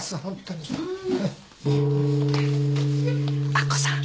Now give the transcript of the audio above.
明子さん。